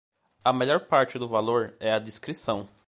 A melhor parte do valor é a discrição